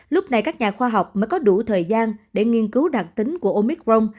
lúc này các nhà khoa học mới có đủ thời gian để nghiên cứu đặc tính của omicron